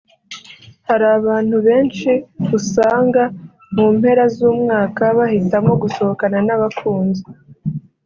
Hari abantu benshi usanga mu mpera z’umwaka bahitamo gusohokana n’abakunzi